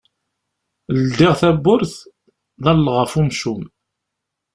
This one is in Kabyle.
Ldiɣ tabburt, ḍalleɣ ɣef umcum.